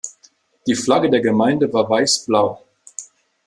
Die Flagge der Gemeinde war Weiß-Blau.